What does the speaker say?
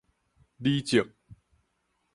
理則